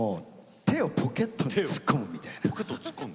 手をポケットに突っ込むみたいな不良感？